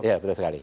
iya betul sekali